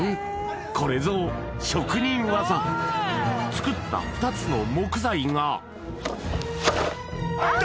これぞ職人技作った２つの木材が入った！